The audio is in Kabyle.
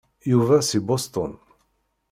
Yuba si Boston.